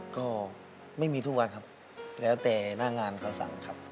ก็ไม่มีทุกวันครับแล้วแต่หน้างานเขาสั่งครับ